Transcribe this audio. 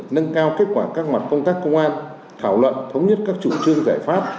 nâng cao kết quả các mặt công tác công an thảo luận thống nhất các chủ trương giải pháp